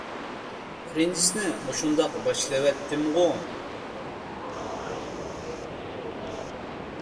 بىرىنچىسىنى مۇشۇنداق باشلىۋەتتىمغۇ!